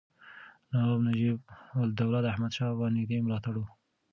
نواب نجیب الدوله د احمدشاه بابا نږدې ملاتړی و.